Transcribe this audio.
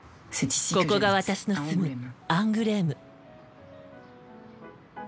ここが私の住むアングレーム。